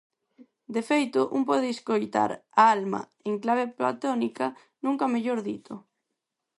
De feito, un pode escoitar "A Alma" en clave platónica, nunca mellor dito.